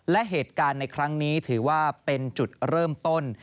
และเหตุการณ์ในครั้งนี้ถือว่าเป็นจุดเริ่มต้น